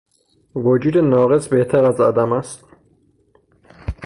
وجود ناقص بهتر از عدم است.